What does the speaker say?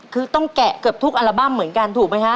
คือต้องแกะเกือบทุกอัลบั้มเหมือนกันถูกไหมคะ